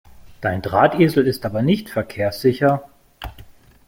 Dein Drahtesel ist aber nicht verkehrssicher!